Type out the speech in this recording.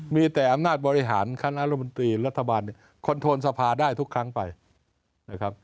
มีแต่อำนาจบริหารคณะรมนตรีรัฐบาลเนี่ยคอนโทนสภาได้ทุกครั้งไปนะครับ